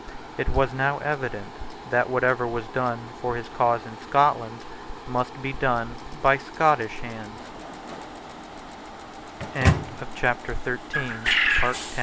It was now evident that whatever was done for his cause in Scotland must be done by Scottish hands, While Mackay